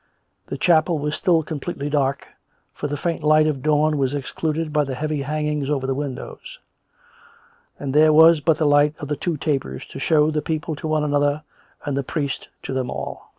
The chapel was still completely dark, for the faint light of dawn was excluded by the heavy hangings over the windows; and there was but the light of the two tapers to show the people to one another and the priest to them all.